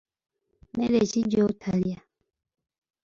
Mmere ki gy'otalya?